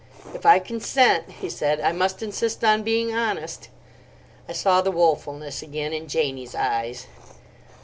"If I consent," he said, "I must insist on being honest." I saw the woefulness again in Janie's eyes.